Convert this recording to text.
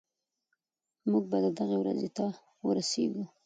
موږ به دغې ورځې ته ورسېږو.